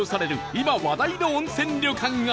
今話題の温泉旅館が